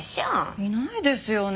いないですよね